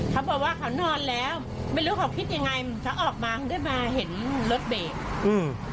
เขาบอกว่าเขานอนแล้วไม่รู้เขาคิดยังไงเขาออกมาขึ้นมาเห็นรถเบรกอืม